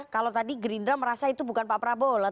kalau tadi gerindra merasa itu bukan pak prabowo lah